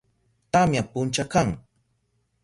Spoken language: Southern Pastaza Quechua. Tamya puncha kan.